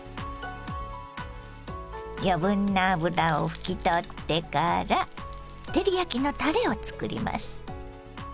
余分な脂を拭き取ってから照り焼きのたれを作ります。